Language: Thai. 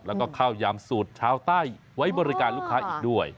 แล้วก็ข้าวยำสูตรชาวใต้ไว้บริการลูกค้าอีกด้วย